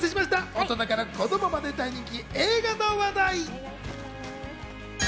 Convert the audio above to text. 大人から子供まで大人気の映画の話題。